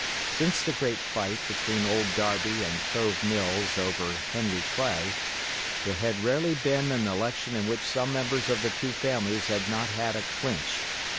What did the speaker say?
Since the great fight between old Darby and Cove Mills over Henry Clay, there had rarely been an election in which some members of the two families had not had a "clinch".